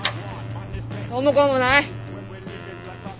どうもこうもない。